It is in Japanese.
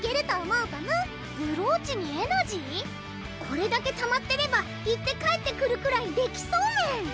これだけたまってれば行って帰ってくるくらいできそうメン！